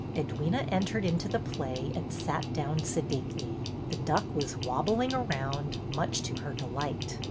Edwyna entered into the play and sat down sedately. The duck was wobbling around, much to her delight.